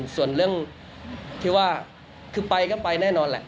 ส่วนเรื่องที่ว่าคือไปก็ไปแน่นอนแหละ